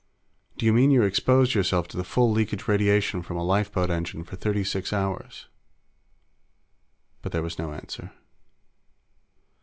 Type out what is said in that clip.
"Do you mean you exposed yourself to the full leakage radiation from a lifeboat engine for thirty six hours?" But there was no answer.